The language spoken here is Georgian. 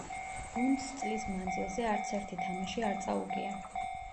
გუნდს წლის მანძილზე არც ერთი თამაში არ წაუგია.